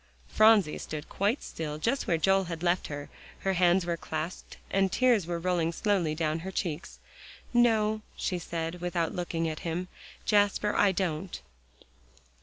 Phronsie stood quite still just where Joel had left her; her hands were clasped and tears were rolling slowly down her cheeks. "No," she said, without looking at him, "Jasper, I don't."